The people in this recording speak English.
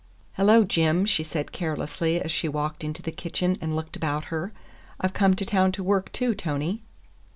"Hello, Jim," she said carelessly as she walked into the kitchen and looked about her. "I've come to town to work, too, Tony."